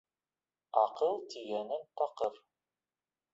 Аҡыл тигәнең таҡыр.